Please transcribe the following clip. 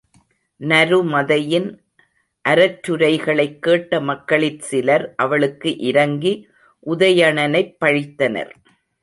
நருமதையின் அரற்றுரைகளைக் கேட்ட மக்களிற் சிலர் அவளுக்கு இரங்கி உதயணனைப் பழித்தனர்.